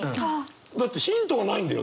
だってヒントがないんだよ。